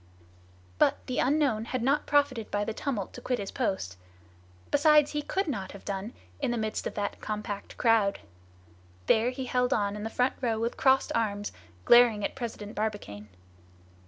However, the unknown had not profited by the tumult to quit his post. Besides he could not have done it in the midst of that compact crowd. There he held on in the front row with crossed arms, glaring at President Barbicane.